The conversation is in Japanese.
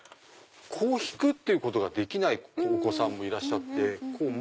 引くっていうことができないお子さんもいらっしゃって。